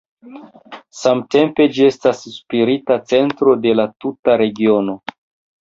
Samtempe ĝi estas spirita centro de la tuta regiono.